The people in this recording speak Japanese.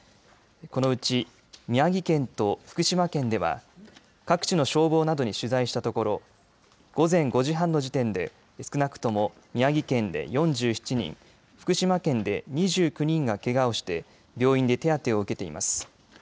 このうち宮城県と福島県では各地の消防などに取材したところ午前５時半の時点で少なくとも宮城県で４７人、福島県で２９人がけがをして病院で手当てを受けています。